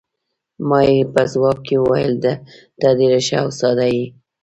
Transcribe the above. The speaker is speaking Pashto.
ما یې په ځواب کې وویل: ته ډېره ښه او ساده یې.